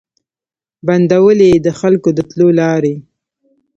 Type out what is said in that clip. بندولې یې د خلکو د تلو لاري